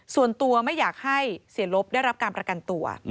ส่วนตัวไม่อยากให้เสียลบได้รับการประกันตัว